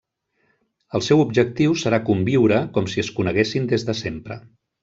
El seu objectiu serà conviure com si es coneguessin des de sempre.